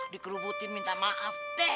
dikerubutin minta maaf